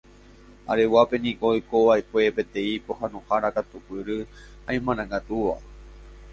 Areguápe niko oikova'ekue peteĩ pohãnohára katupyry ha imarangatúva.